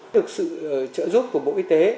được sự trợ giúp của bộ y tế